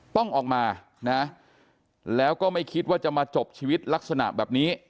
ต้องออกมานะแล้วก็ไม่คิดว่าจะมาจบชีวิตลักษณะแบบนี้